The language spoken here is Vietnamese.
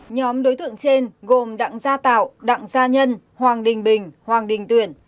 nhóm đối tượng trên gồm đặng gia tạo đặng gia nhân hoàng đình bình hoàng đình tuyển